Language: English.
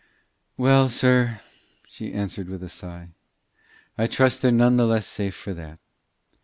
"Well, sir," she answered, with a sigh, "I trust they're none the less safe for that.